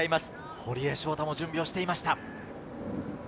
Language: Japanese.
堀江翔太も準備していました。